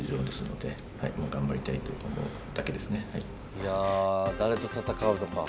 いや誰と戦うのか。